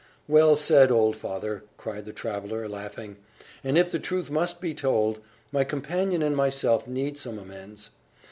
"Well said, old father!" cried the traveller, laughing; "and, if the truth must be told, my companion and myself need some amends.